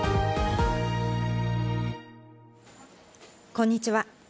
こんにちは。